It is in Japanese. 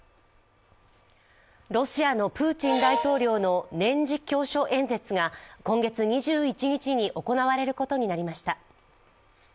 ロシアのプーチン大統領の年次教書演説が今月２１日に行われることになりました。